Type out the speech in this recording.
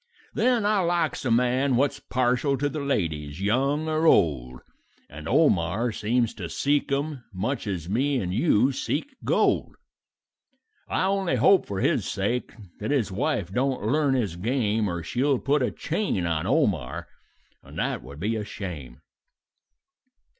"Then I likes a man what's partial to the ladies, young or old, And Omar seems to seek 'em much as me and you seek gold; I only hope for his sake that his wife don't learn his game Or she'll put a chain on Omar, and that would be a shame.